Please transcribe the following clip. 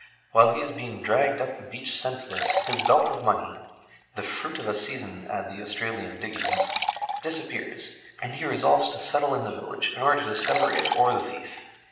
While he is being dragged up the beach senseless, his belt of money—the fruit of a season at the Australian diggings—disappears; and he resolves to settle in the village, in order to discover it or the thief.